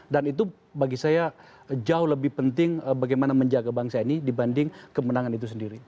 dan itu bagi saya jauh lebih penting bagaimana menjaga bangsa ini dibanding kemenangan itu sendiri